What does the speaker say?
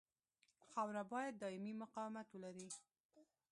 خاوره باید دایمي مقاومت ولري